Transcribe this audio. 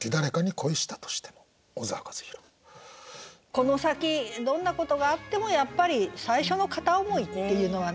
この先どんなことがあってもやっぱり最初の片想いっていうのはね忘れられない。